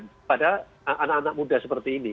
jadi kan pada anak anak muda seperti ini